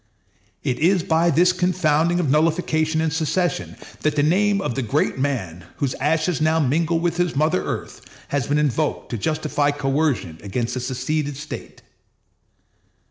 It is by this confounding of nullification and secession that the name of the great man, whose ashes now mingle with his mother earth, has been invoked to justify coercion against a seceded State.